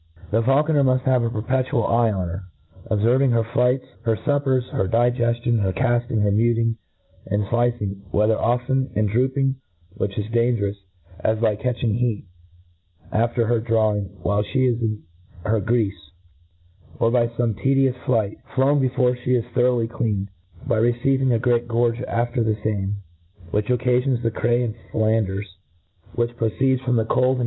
l*he faulconer muft have a perpetual eye oh her, ob ;ferving her flights, her luppcrs, her digeltion, her cafting, her muting, and flicing, whether often and drooping, which is dangerous j as Dy catching heat, after her drawing, while fhe is in her greafe, or by fome tedious flight, flown be fore flie be thoroilglily clean, by receiving a great gorge after the fame, which occafions the cray jmd filanders, which proceed from the cold and y iSo A T?